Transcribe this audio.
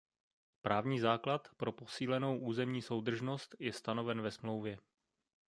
Právní základ pro posílenou územní soudržnost je stanoven ve Smlouvě.